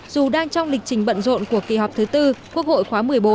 dù đang trong lịch trình bận rộn của kỳ họp thứ tư quốc hội khóa một mươi bốn